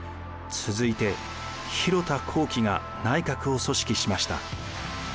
続いて広田弘毅が内閣を組織しました。